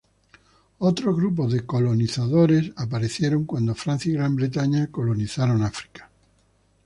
Otros grupos de colonizadores aparecieron cuando Francia y Gran Bretaña colonizaron África.